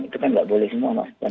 itu kan nggak boleh semua mas